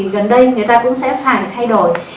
gần đây người ta cũng sẽ phải thay đổi